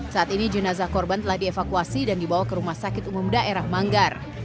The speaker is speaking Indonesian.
saat ini jenazah korban telah dievakuasi dan dibawa ke rumah sakit umum daerah manggar